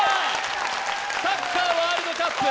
サッカーワールドカップ